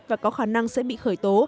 và có khả năng sẽ bị khởi tố